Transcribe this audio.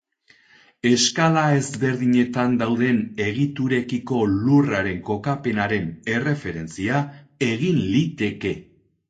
Eskala ezberdinetan dauden egiturekiko Lurraren kokapenaren erreferentzia egin liteke.